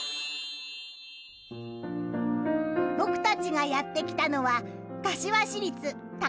［僕たちがやって来たのは］